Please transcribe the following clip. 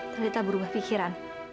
talita berubah pikiran